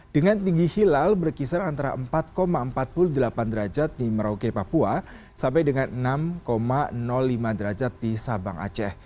dengan tinggi hilal berkisar antara empat empat puluh delapan derajat di merauke papua sampai dengan enam lima derajat di sabang aceh